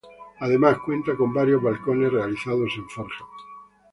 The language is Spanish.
Además, cuenta con varios balcones realizados en forja.